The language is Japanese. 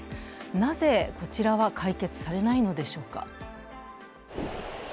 なぜ、こちらは解決されないのでしょうか。